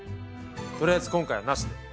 とりあえず今回はなしで。